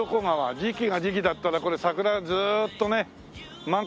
時期が時期だったらこれ桜がずーっとね満開ですよ。